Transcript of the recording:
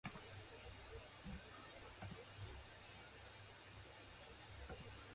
The group became known as Focus Wickes.